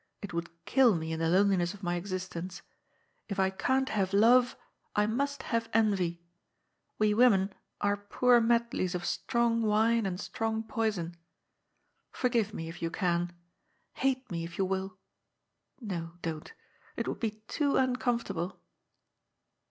It would kill me in the loneliness of my existence. If I can't have love, I must have envy. We women are poor medleys of strong wine and strong poison. Forgive me, if you can. Hate me, if you will. No, don't, it would be too uncomfortable."